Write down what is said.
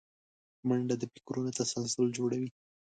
منډه د فکرونو تسلسل جوړوي